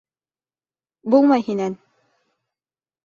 Булмай һинән!